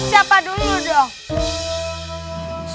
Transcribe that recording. siapa dulu dong